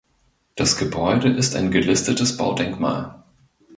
Das Gebäude ist ein gelistetes Baudenkmal.